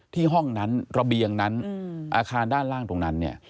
ห้องนั้นระเบียงนั้นอาคารด้านล่างตรงนั้นเนี่ย